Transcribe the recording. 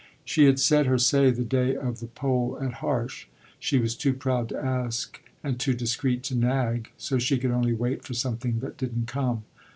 She had said her say the day of the poll at Harsh; she was too proud to ask and too discreet to "nag"; so she could only wait for something that didn't come.